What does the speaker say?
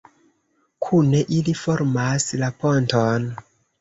Kune ili formas la ponton.